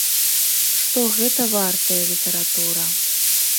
Што гэта вартая літаратура.